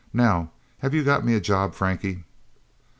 "Now, have you got me a job, Frankie?"